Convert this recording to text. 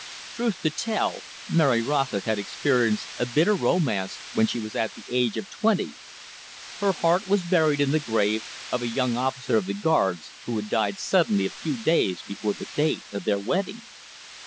Truth to tell, Mary Rossett had experienced a bitter romance when she was at the age of twenty. Her heart was buried in the grave of a young officer of the Guards, who had died suddenly a few days before the date of their wedding.